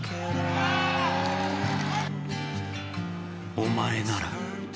お前なら。